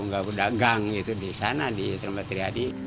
enggak berdagang gitu di sana di terumbat triadi